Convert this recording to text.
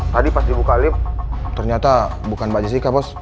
tadi pas dibuka lift ternyata bukan mbak jessica bos